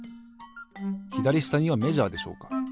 ひだりしたにはメジャーでしょうか。